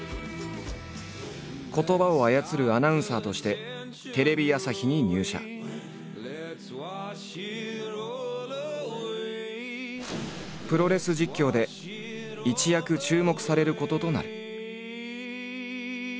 言葉を操るアナウンサーとしてプロレス実況で一躍注目されることとなる。